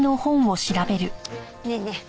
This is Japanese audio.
ねえねえ